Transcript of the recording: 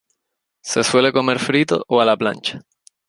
Se suele comer frito o a la plancha.